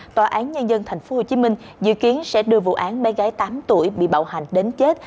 tòa án nhân dân tp hcm dự kiến sẽ đưa vụ án bé gái tám tuổi bị bạo hành đến chết